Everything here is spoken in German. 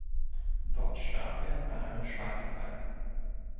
Dort starb er an einem Schlaganfall.